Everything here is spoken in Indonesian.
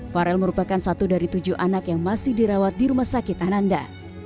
farel merupakan satu dari tujuh anak yang masih dirawat di rumah sakit ananda